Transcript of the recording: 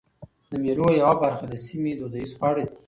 د مېلو یوه برخه د سیمي دودیز خواړه دي.